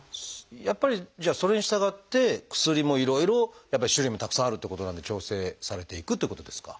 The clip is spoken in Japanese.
やっぱりじゃあそれにしたがって薬もいろいろやっぱり種類もたくさんあるっていうことなんで調整されていくっていうことですか？